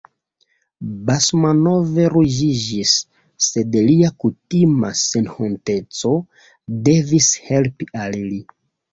Basmanov ruĝiĝis, sed lia kutima senhonteco devis helpi al li.